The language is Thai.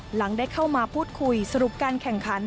หลังได้เข้ามาพูดคุยสรุปการแข่งขัน